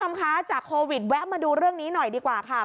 คุณผู้ชมคะจากโควิดแวะมาดูเรื่องนี้หน่อยดีกว่าค่ะ